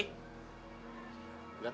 tunggu sudah selesai